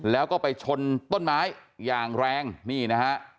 แล้วก็ไปชนต้นไม้อย่างแรงนี่นะฮะ